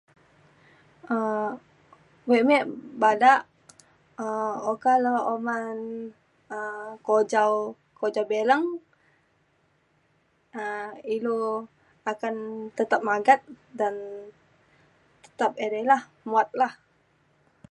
um wek me bada um okak le uman um kujau kujau bileng um ilu akan tetap magat dan tetap edei lah muat lah